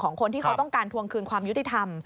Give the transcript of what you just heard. คนที่เขาต้องการทวงคืนความยุติธรรม